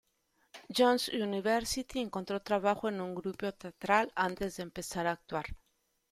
John's University, encontró trabajo en un grupo teatral antes de empezar a actuar.